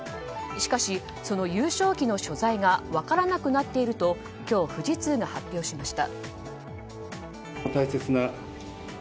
しかし、その優勝旗の所在が分からなくなっていると今日、富士通が発表しました。